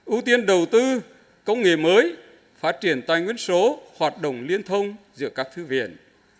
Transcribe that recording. ưu tiên đầu tư công nghệ mới phát triển tài nguyên số hoạt động liên thông giữa các thư viện